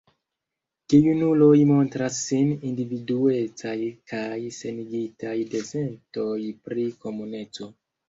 Gejunuloj montras sin individuecaj kaj senigitaj de sentoj pri komuneco.